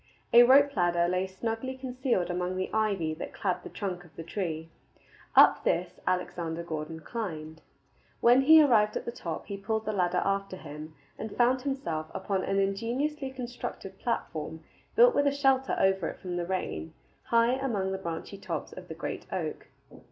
A rope ladder lay snugly concealed among the ivy that clad the trunk of the tree. Up this Alexander Gordon climbed. When he arrived at the top he pulled the ladder after him, and found himself upon an ingeniously constructed platform built with a shelter over it from the rain, high among the branchy tops of the great oak.